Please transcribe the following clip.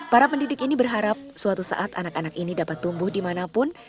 para pendidik ini berharap suatu saat anak anak ini dapat tumbuh dimanapun